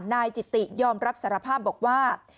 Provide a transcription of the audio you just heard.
นายจิติยอมรับสารภาพบอกว่า